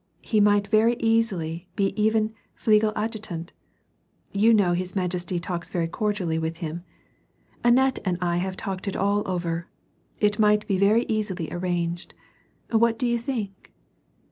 He might very easily be even fligel adjutant. You kuow his majesty talks very cordially with him. Annette and I have talked it all over ; it might be very easily arranged. What do you think